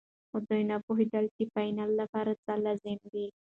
خو دوی نه پوهېدل چې د فاینل لپاره څه لازم دي.